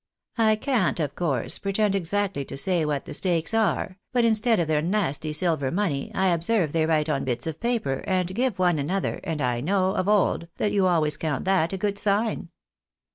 I can't, of course, pretend exactly to say what the stakes are, but instead of their nasty silver money, I observe they write on bits of paper and give one another, and I know, of old, that you always count that a good sign.